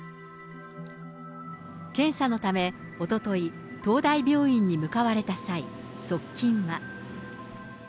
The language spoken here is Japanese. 検査のため、おととい、東大病院に向かわれた際、側近は。